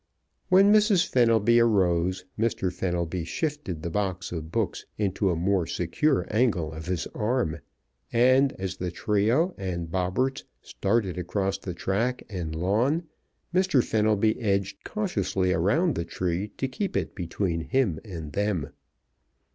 When Mrs. Fenelby arose Mr. Fenelby shifted the box of books into a more secure angle of his arm, and as the trio, and Bobberts, started across the track and lawn Mr. Fenelby edged cautiously around the tree to keep it between him and them.